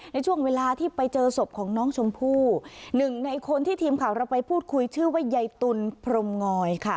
ในช่วงเวลาที่ไปเจอศพของน้องชมพู่หนึ่งในคนที่ทีมข่าวเราไปพูดคุยชื่อว่ายายตุลพรมงอยค่ะ